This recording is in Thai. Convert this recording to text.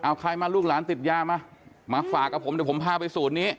เอาใครมาลูกหลานติดยามามาฝากกับผมเดี๋ยวผมพาไปสูตรนี้